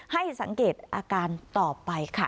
ให้สังเกตอาการต่อไปค่ะ